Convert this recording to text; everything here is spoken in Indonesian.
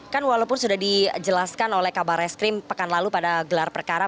kan walaupun sudah dijelaskan oleh kabar eskrim pekan lalu pada gelar perkara